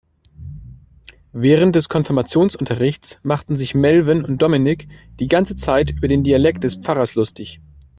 Während des Konfirmationsunterrichts machten sich Melvin und Dominik die ganze Zeit über den Dialekt des Pfarrers lustig.